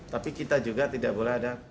tapi kita juga tidak boleh ada